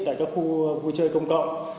tại các khu vui chơi công cộng